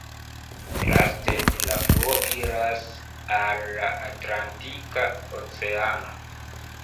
Laste la fluo iras al la Atlantika Oceano.